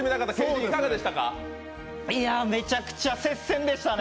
めちゃくちゃ接戦でしたね。